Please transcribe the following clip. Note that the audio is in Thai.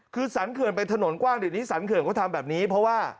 คือสรรเขื่อนไปถนนกว้างเดี๋ยวนี้สันเขื่อนเขาทำแบบนี้เพราะว่า